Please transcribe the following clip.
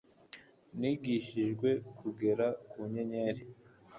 nigishijwe kugera ku nyenyeri